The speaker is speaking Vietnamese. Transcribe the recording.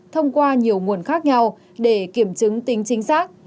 thông qua nhiều nguồn khác nhau để kiểm chứng tính chính xác